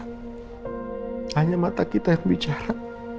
hanya mata kita yang bicara